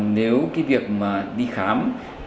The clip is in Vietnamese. nếu việc đi khám